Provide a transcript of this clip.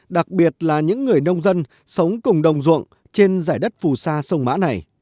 đặc biệt là những người nông dân sống cùng đồng ruộng trên giải đất phù sa sông mã này